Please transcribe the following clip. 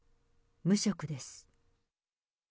無職です。